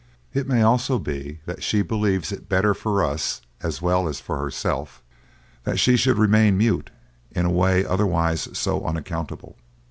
It may also be that she believes it better for us, as well as for herself, that she should remain mute in a way otherwise so unaccountable."